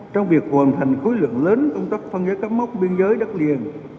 trong việc hoàn thành khối lượng lớn công tác phân giới cắm mốc biên giới đất liền